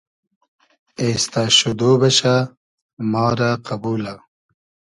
اېستۂ شودۉ بئشۂ ما رۂ قئبولۂ